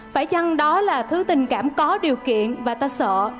phải chăng đó là thứ tình cảm có điều kiện và ta sợ